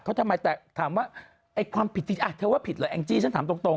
เขาถามว่าไอ้ความผิดที่เธอว่าผิดหรอแองจี้ฉันถามตรง